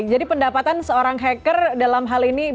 jadi pendapatan seorang hacker dalam hal ini